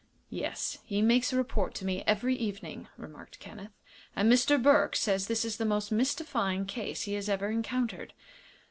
"Yes; he makes a report to me every evening," remarked Kenneth; "and Mr. Burke says this is the most mystifying case he has ever encountered.